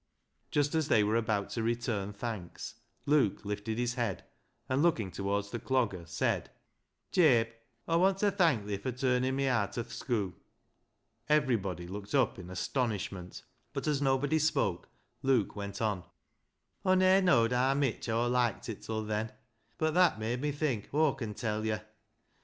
Just as they were about to return thanks, Luke lifted his head, and looking towards the Clogger, said — "Jabe, Awwant ta thank thi fur turnin' me aat o' th' schoo'." Everybody looked up in astonishment, but as nobody spoke, Luke went on —" Aw ne'er know'd haa mitch Aw loiked it till then, bud that made me think, Aw con tell yo'